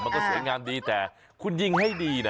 มันก็สวยงามดีแต่คุณยิงให้ดีนะ